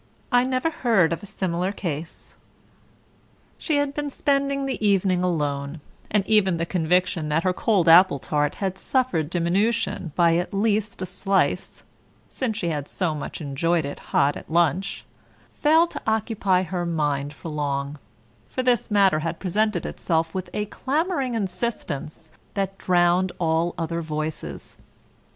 I never heard of a similar case." She had been spending the evening alone, and even the conviction that her cold apple tart had suffered diminution by at least a slice, since she had so much enjoyed it hot at lunch, failed to occupy her mind for long, for this matter had presented itself with a clamouring insistence that drowned all other voices.